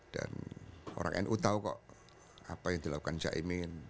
dan orang nu tau kok apa yang dilakukan cak emin